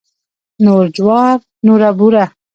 نور جوار نوره بوره.